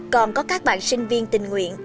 còn có các bạn sinh viên tình nguyện